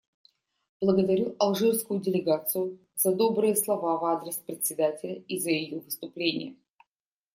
Благодарю алжирскую делегацию за добрые слова в адрес Председателя и за ее выступление.